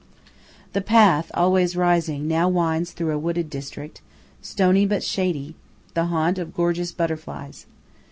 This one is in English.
The path, always rising, now winds through a wooded district, stony but shady, the haunt of gorgeous butterflies.